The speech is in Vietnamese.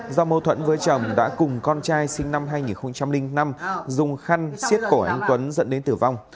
do mâu thuẫn với chồng đã cùng con trai sinh năm hai nghìn năm dùng khăn xiết cổ anh tuấn dẫn đến tử vong